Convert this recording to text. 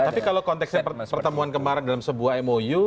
tapi kalau konteksnya pertemuan kemarin dalam sebuah mou